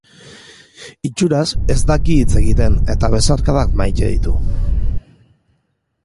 Itxuraz, ez daki hitz egiten eta besarkadak maite ditu.